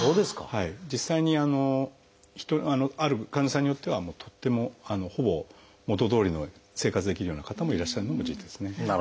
実際にある患者さんによってはとってもほぼ元どおりの生活できるような方もいらっしゃるのも事実ですね。